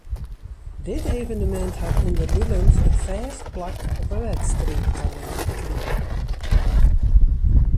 Dit evenemint hat ûnderwilens in fêst plak op 'e wedstriidkalinder krigen.